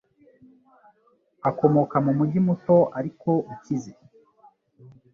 Akomoka mu mujyi muto ariko ukize.